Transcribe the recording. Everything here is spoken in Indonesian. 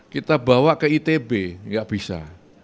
kita bawa ke itb nggak bisa